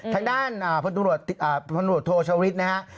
ทางด้านพนับโทรโชวิทย์นะครับ